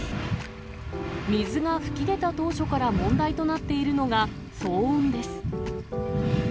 水が噴き出た当初から問題となっているのが騒音です。